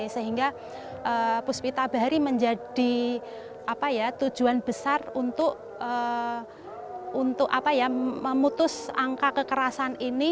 sehingga puspita bahari menjadi tujuan besar untuk memutus angka kekerasan ini